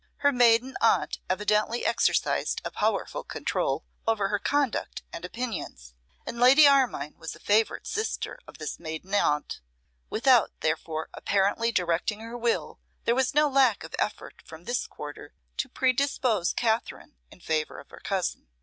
Her maiden aunt evidently exercised a powerful control over her conduct and opinions; and Lady Armine was a favourite sister of this maiden aunt. Without, therefore, apparently directing her will, there was no lack of effort from this quarter to predispose Katherine in favour of her cousin.